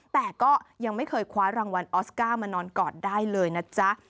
แต่ก็ยังไม่เคยคว้ารางวัลออสการ์มานอนกอดได้เลยนะจ๊ะ